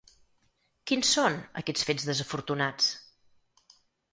Quins són, aquests fets desafortunats?